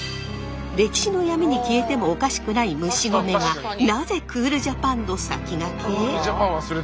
歴史の闇に消えてもおかしくない蒸し米がなぜクールジャパンのさきがけ？